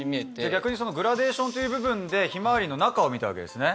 逆にグラデーションという部分でヒマワリの中を見たわけですね。